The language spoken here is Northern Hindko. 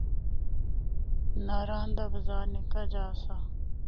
ناران دا بازار نِکا جا آسا۔